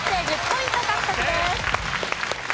１０ポイント獲得です。